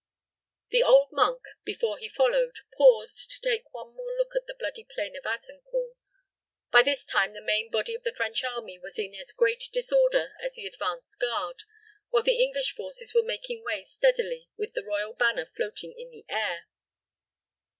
The old monk, before he followed, paused to take one more look at the bloody plain of Azincourt. By this time, the main body of the French army was in as great disorder as the advanced guard, while the English forces were making way steadily with the royal banner floating in the air.